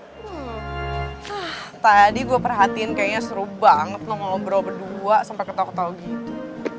ah tadi gue perhatiin kayaknya seru banget lo ngobrol berdua sampe ketau ketau gitu